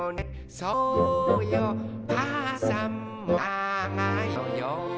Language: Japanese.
「そうよかあさんもながいのよ」